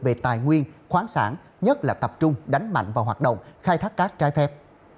về tài nguyên khoáng sản nhất là tập trung đánh mạnh vào hoạt động khai thác cát trái phép